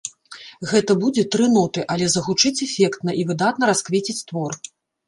Гэта будзе тры ноты, але загучыць эфектна і выдатна расквеціць твор.